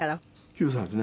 ９歳ですね。